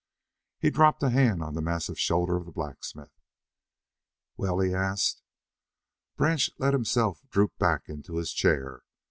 He dropped a hand on the massive shoulder of the blacksmith. "Well?" he asked. Branch let himself droop back into his chair.